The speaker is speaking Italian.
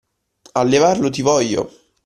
A levarlo ti voglio!